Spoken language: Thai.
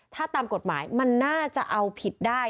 ถ้าตามกฎหมายมันน่าจะเอาผิดได้